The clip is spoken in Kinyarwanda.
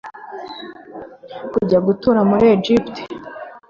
kujya gutura muri Egiputa.